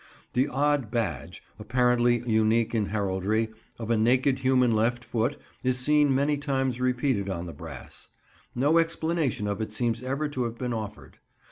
The odd badge—apparently unique in heraldry—of a naked human left foot is seen many times repeated on the brass. No explanation of it seems ever to have been offered.